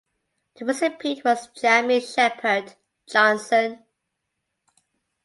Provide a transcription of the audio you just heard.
The recipient was Jami Shepherd (Johnson).